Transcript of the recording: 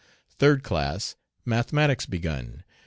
Third class, mathematics begun.